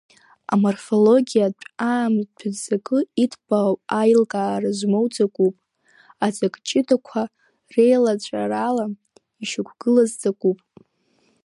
Аморфологиатә аамҭатә ҵакы иҭбаау аилкаара змоу ҵакуп, аҵак ҷыдақәа реилаҵәарала ишьақәгылаз ҵакуп.